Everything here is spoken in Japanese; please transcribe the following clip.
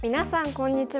こんにちは。